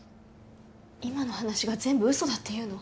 今の話が全部嘘だっていうの？